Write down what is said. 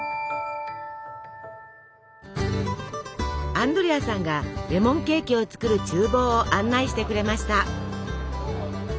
アンドレアさんがレモンケーキを作るちゅう房を案内してくれました。